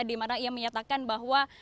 dimana ia menyatakan bahwa